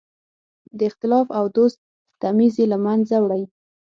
د اختلاف او دوست تمیز یې له منځه وړی.